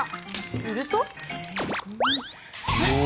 すると。